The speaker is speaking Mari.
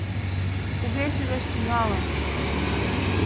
Кугече гыч тӱҥалын